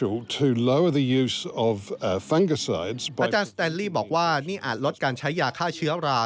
อาจารย์สแตนลี่บอกว่านี่อาจลดการใช้ยาฆ่าเชื้อรา